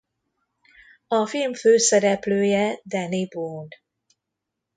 A film főszereplője Dany Boon.